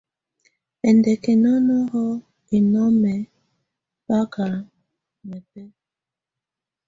Ɛndɛkɛnɔnɔhɔ ɛnɔmɛ baka mɛbɛ.